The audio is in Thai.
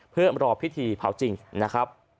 เพื่อรอพิธีเผาจริงนะครับ